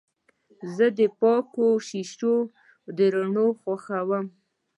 زه د پاکو شیشو روڼوالی خوښوم.